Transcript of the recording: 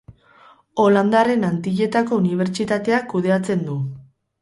Holandarren Antilletako Unibertsitateak kudeatzen du.